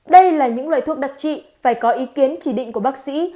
đây là những loại thuốc đặc trị phải có ý kiến chỉ định của bác sĩ